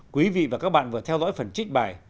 quý vị và các bạn vừa theo dõi phần trích bài